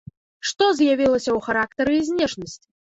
Што з'явілася ў характары і знешнасці?